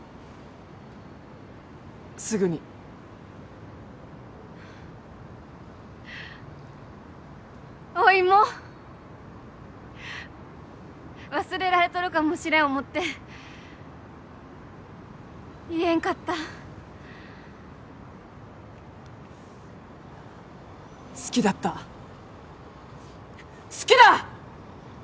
すぐにおいも忘れられとるかもしれん思って言えんかった好きだった好きだ！